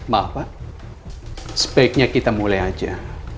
maaf pak sebaiknya kita mulai aja